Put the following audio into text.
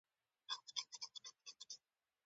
څنګه چې راپاڅېدم، خان زمان مې ونه لیدله، چې چېرې ولاړه.